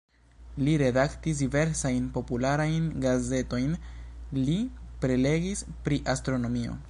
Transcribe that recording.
Li redaktis diversajn popularajn gazetojn, li prelegis pri astronomio.